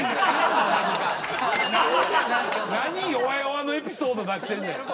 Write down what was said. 何弱よわのエピソード出してんねん！